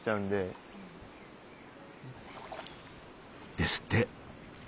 ですって。